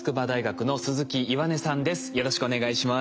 よろしくお願いします。